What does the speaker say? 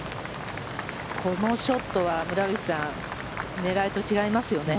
このショットは村口さん狙いと違いますよね。